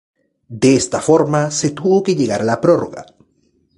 De esta forma se tuvo que llegar a la prórroga.